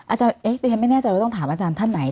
อาจารย์ไม่แน่ใจว่าต้องถามอาจารย์ท่านไหน